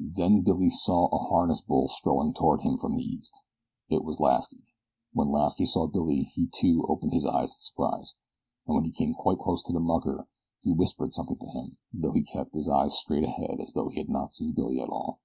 Then Billy saw a harness bull strolling toward him from the east. It was Lasky. When Lasky saw Billy he too opened his eyes in surprise, and when he came quite close to the mucker he whispered something to him, though he kept his eyes straight ahead as though he had not seen Billy at all.